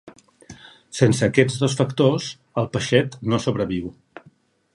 Sense aquests dos factors, el peixet no sobreviu.